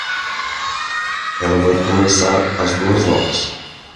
Ela vai começar às duas horas.